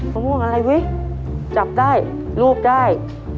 มะม่วงอะไรเว้ยจับได้รูปได้